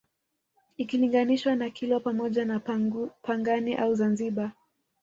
Ikilinganishwa na Kilwa pamoja na Pangani au Zanzibar